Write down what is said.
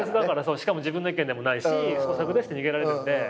しかも自分の意見でもないし創作ですって逃げられるんで。